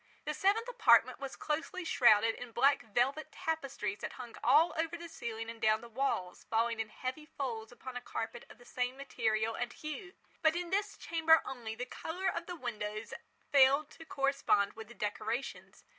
The seventh apartment was closely shrouded in black velvet tapestries that hung all over the ceiling and down the walls, falling in heavy folds upon a carpet of the same material and hue. But in this chamber only, the colour of the windows failed to correspond with the decorations.